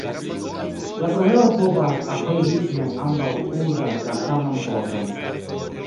La problemo povas aperi kiam ambaŭ uzas la saman pordon.